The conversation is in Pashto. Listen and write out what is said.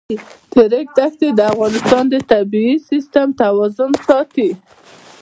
د ریګ دښتې د افغانستان د طبعي سیسټم توازن ساتي.